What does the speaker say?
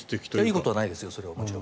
いいことはないですよ。